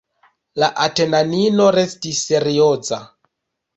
La atenanino restis serioza.